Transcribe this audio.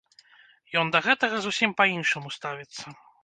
Ён да гэтага зусім па-іншаму ставіцца.